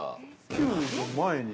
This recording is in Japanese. ◆Ｑの前に。